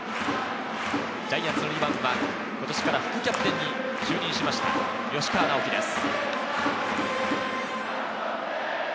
ジャイアンツの２番は今年から副キャプテンに就任しました、吉川尚輝です。